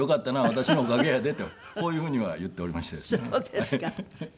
「私のおかげやで」とこういうふうには言っておりましたですね。